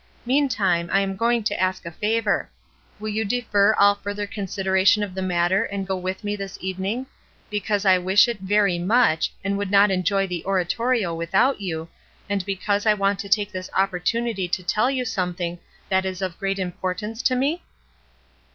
Meantime, I am going to ask a favor. Will you defer all further consideration of the matter and go with me 232 ESTER RIED'S NAMESAKE this evening, because I wish it very much and would not enjoy the Oratorio without you, and because I want to take this opportunity to t«U you something that is of great impor tance to me?"